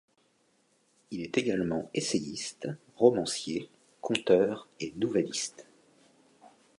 Il est également essayiste, romancier, conteur et nouvelliste.